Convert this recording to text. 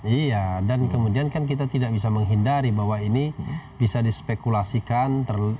iya dan kemudian kan kita tidak bisa menghindari bahwa ini bisa dispekulasikan